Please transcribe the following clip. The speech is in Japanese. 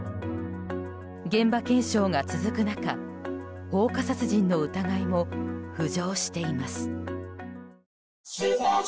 現場検証が続く中放火殺人の疑いも浮上しています。